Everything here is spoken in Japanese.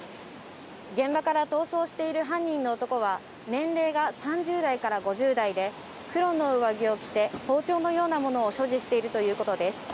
現場から逃走している犯人の男は年齢が３０代から５０代で黒の上着を着て、包丁のようなものを所持しているということです。